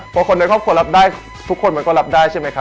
พอคนในครอบครัวรับได้ทุกคนมันก็รับได้ใช่ไหมครับ